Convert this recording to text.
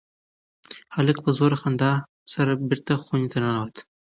هلک په زوره خندا سره بېرته خونې ته ننوت.